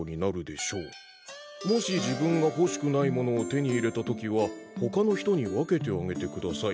もし自分が欲しくないものを手に入れたときは他の人に分けてあげてください。